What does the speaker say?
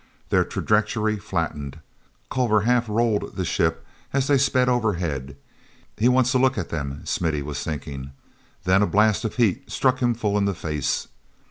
Their trajectory flattened. Culver half rolled the ship as they sped overhead. "He wants a look at them," Smithy was thinking. Then a blast of heat struck him full in the face.